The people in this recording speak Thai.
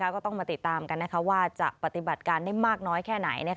ก็ต้องมาติดตามกันว่าจะปฏิบัติการได้มากน้อยแค่ไหน